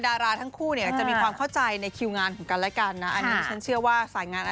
แต่ว่าตอนนี้เนี่ยหนุ่มช้อนดูเหมือนว่าจะโฟกัสเรื่องงาน